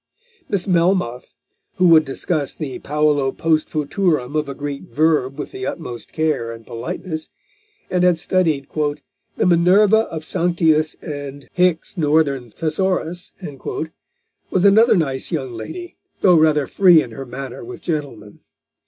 Miss Melmoth, who would discuss the paulo post futurum of a Greek verb with the utmost care and politeness, and had studied "the Minerva of Sanctius and Hickes' Northern Thesaurus," was another nice young lady, though rather free in her manner with gentlemen.